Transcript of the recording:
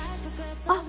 あっ！